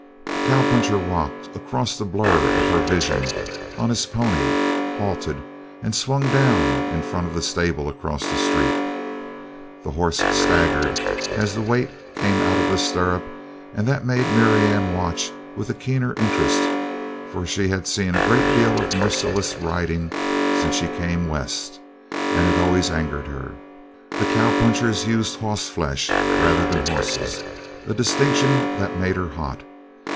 A cowpuncher rocked across the blur of her vision on his pony, halted, and swung down in front of the stable across the street. The horse staggered as the weight came out of the stirrup and that made Marianne watch with a keener interest, for she had seen a great deal of merciless riding since she came West and it always angered her. The cowpunchers used "hoss flesh" rather than horses, a distinction that made her hot.